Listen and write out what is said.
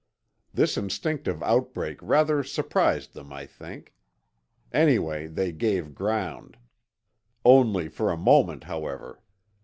This instinctive outbreak rather surprised them, I think. Anyway, they gave ground. Only for a moment, however.